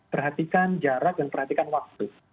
perhatikan jarak dan perhatikan waktu